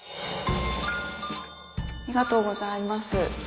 ありがとうございます。